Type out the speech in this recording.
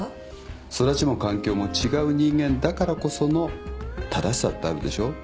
育ちも環境も違う人間だからこその正しさってあるでしょ。